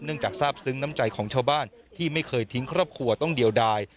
จากทราบซึ้งน้ำใจของชาวบ้านที่ไม่เคยทิ้งครอบครัวต้องเดียวดาย